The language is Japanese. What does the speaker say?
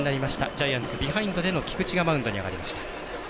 ジャイアンツ、ビハインドでの菊地がマウンドに上がりました。